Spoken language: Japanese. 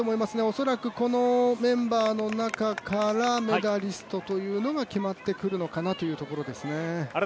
恐らくこのメンバーの中からメダリストというのが決まってくるのかなというところですね。